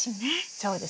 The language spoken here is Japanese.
そうですね。